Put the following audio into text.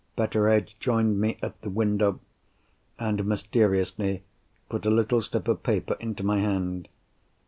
Betteredge joined me at the window, and mysteriously put a little slip of paper into my hand.